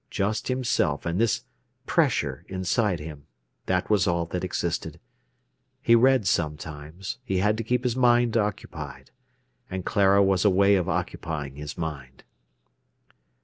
Just himself and this pressure inside him, that was all that existed. He read sometimes. He had to keep his mind occupied. And Clara was a way of occupying his mind.